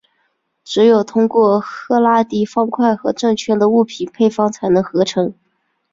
只有通过赫拉迪方块和正确的物品配方才能合成。